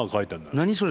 何それ？